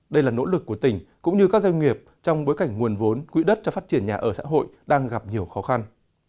đây là nỗ lực của tỉnh cũng như các doanh nghiệp trong bối cảnh nguồn vốn quỹ đất cho phát triển nhà ở xã hội đang gặp nhiều khó khăn